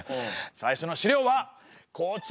最初の資料はこちらです！